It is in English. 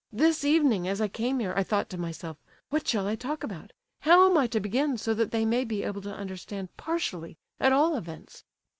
This evening as I came here, I thought to myself, 'What shall I talk about? How am I to begin, so that they may be able to understand partially, at all events?